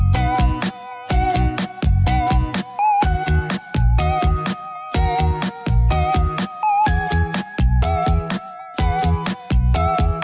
สวัสดีค่ะ